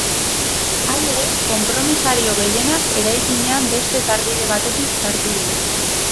Halere, konpromisario gehienek eraikinean beste sarbide batetik sartu dira.